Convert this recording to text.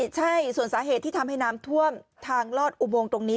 ใช่ส่วนสาเหตุที่ทำให้น้ำท่วมทางลอดอุโมงตรงนี้